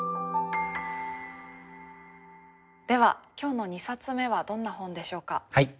では今日の２冊目はどんな本でしょうか？